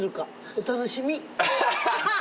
お楽しみ！